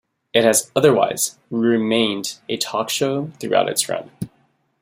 It has otherwise remained a talk show throughout its run.